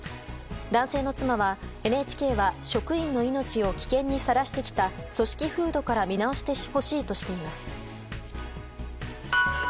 男性の妻はＮＨＫは職員の命を危険にさらしてきた組織風土から見直してほしいとしています。